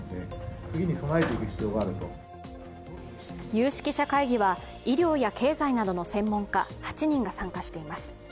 有識者会議は医療や経済などの専門家８人が参加しています。